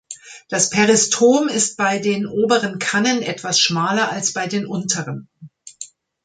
Das Peristom ist bei den oberen Kannen etwas schmaler als bei den unteren.